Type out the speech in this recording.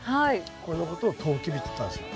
これのことをトウキビって言ったんですよ。